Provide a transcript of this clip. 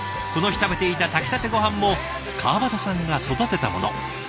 この日食べていた炊きたてごはんも川端さんが育てたもの。